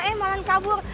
eh mau kabur